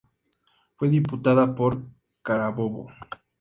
Fue diputada por Carabobo.